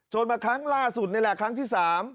มาครั้งล่าสุดนี่แหละครั้งที่๓